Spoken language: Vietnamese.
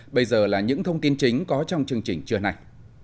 bây giờ là những thông tin chính có trong chương trình trưa này